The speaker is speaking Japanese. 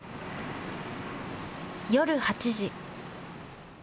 夜８時。